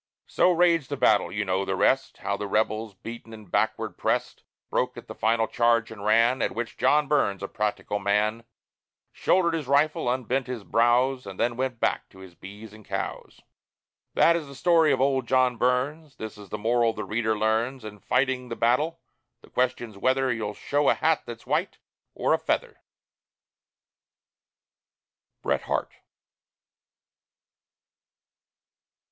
So raged the battle. You know the rest: How the rebels, beaten and backward pressed, Broke at the final charge and ran. At which John Burns a practical man Shouldered his rifle, unbent his brows, And then went back to his bees and cows. That is the story of old John Burns; This is the moral the reader learns: In fighting the battle, the question's whether You'll show a hat that's white, or a feather. BRET HARTE.